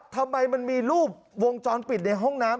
ทำไมมันมีรูปวงจรปิดในห้องน้ำ